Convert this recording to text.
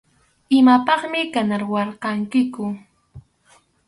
Imapaqmi kanawarqankiku.